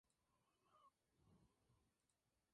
Procesiona en tres ocasiones durante el año litúrgico.